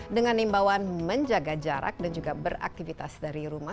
dengan imbauan menjaga jarak dan juga beraktivitas dari rumah